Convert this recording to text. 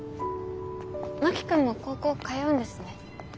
真木君も高校通うんですね。